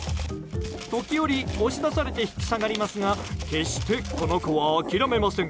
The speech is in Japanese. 時折、押し出されて引き下がりますが決して、この子は諦めません。